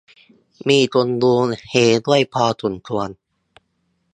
มีคนดูเฮด้วยพอควร